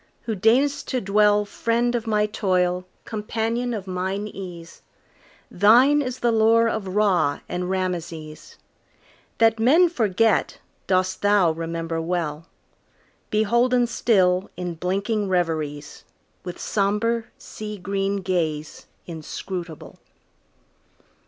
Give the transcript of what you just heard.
who deign'st to dwellFriend of my toil, companion of mine ease, Thine is the lore of Ra and Rameses; That men forget dost thou remember well, Beholden still in blinking reveriesWith sombre, sea green gaze inscrutable.